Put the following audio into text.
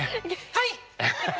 はい！